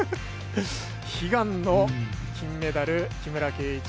悲願の金メダル、木村敬一。